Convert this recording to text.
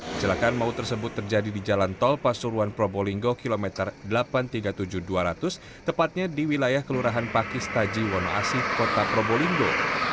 kecelakaan maut tersebut terjadi di jalan tol pasuruan probolinggo kilometer delapan ratus tiga puluh tujuh dua ratus tepatnya di wilayah kelurahan pakis taji wonoasi kota probolinggo